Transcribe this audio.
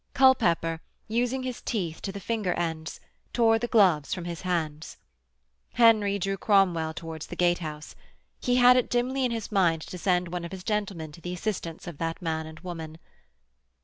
Culpepper, using his teeth to the finger ends, tore the gloves from his hands. Henry drew Cromwell towards the gatehouse. He had it dimly in his mind to send one of his gentlemen to the assistance of that man and woman.